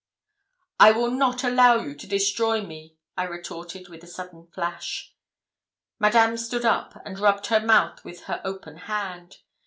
'I will not allow you to destroy me,' I retorted, with a sudden flash. Madame stood up, and rubbed her mouth with her open hand.